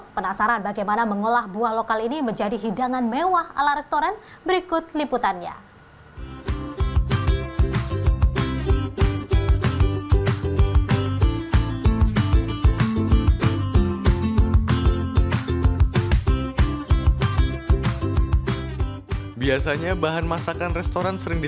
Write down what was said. penasaran bagaimana mengolah buah lokal ini menjadi hidangan mewah ala restoran